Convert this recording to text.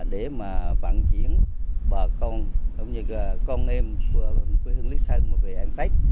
để mà vận chuyển bà con cũng như con em của thương lý sơn về an tết